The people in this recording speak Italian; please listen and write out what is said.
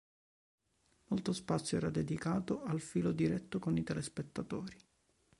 Molto spazio era dedicato al filo diretto con i telespettatori.